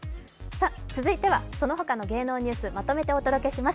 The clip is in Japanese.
続いては、その他の芸能ニュースまとめてお届けします。